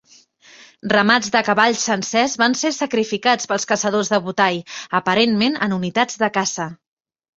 Ramats de cavalls sencers van ser sacrificats pels caçadors de Botai, aparentment en unitats de caça.